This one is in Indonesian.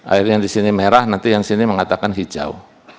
air yang di sini merah nanti yang sini mengatakan hijau